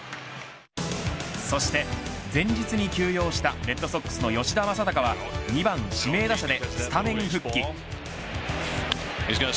そして前日に休養したレッドソックスの吉田正尚は２番指名打者でスタメン復帰。